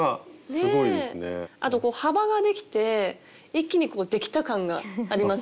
あとこう幅ができて一気にできた感がありますね。